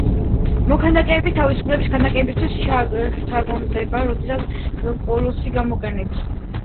მოქანდაკეებმა თავისუფლების ქანდაკებისთვის შთაგონებად როდოსის კოლოსი გამოიყენეს.